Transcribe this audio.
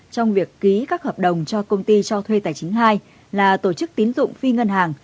trong việc ký các hợp đồng cho công ty cho thuê tài chính hai là tổ chức tín dụng phi ngân hàng